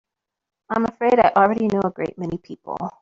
I'm afraid I already know a great many people.